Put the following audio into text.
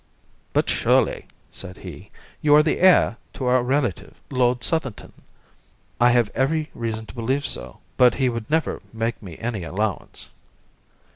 "But surely," said he, "you are the heir of our relative, Lord Southerton?" "I have every reason to believe so, but he would never make me any allowance."